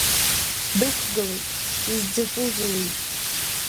Дықәгылеит, изӡатәузеи уи?